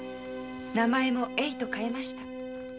名前も「栄」と変えました。